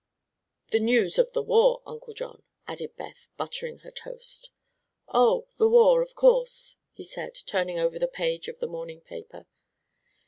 "The news of the war, Uncle John," added Beth, buttering her toast. "Oh; the war, of course," he said, turning over the page of the morning paper.